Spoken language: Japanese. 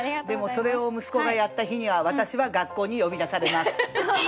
でもそれを息子がやった日には私は学校に呼び出されます。